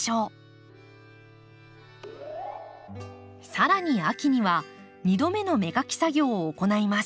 更に秋には２度目の芽かき作業を行います。